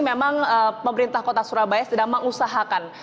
memang pemerintah kota surabaya sedang mengusahakan